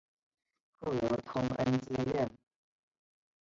后由通恩接任。